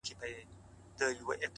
o زما ونه له تا غواړي راته،